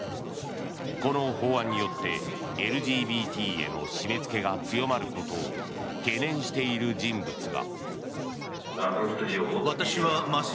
この法案によってＬＧＢＴへの締め付けが強まることを懸念している人物が。